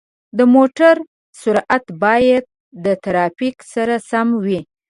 د موټر سرعت باید د ترافیک سره سم وي.